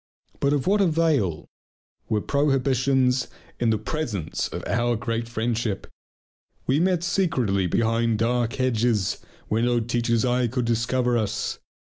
But of what avail were prohibitions in the presence of our great friendship! We met secretly behind dark hedges, where no teacher's eyes could discover us.